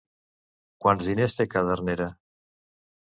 Quants diners té Cadernera?